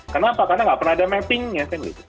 kenapa karena nggak pernah ada mappingnya